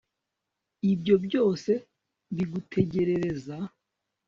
Ibyo byose bigutegerereza